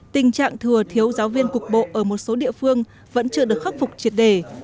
tình trạng thừa thiếu giáo viên cục bộ ở một số địa phương vẫn chưa được khắc phục triệt đề